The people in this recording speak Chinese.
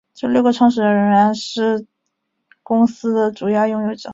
这六个创始人至今仍是公司的主要拥有者。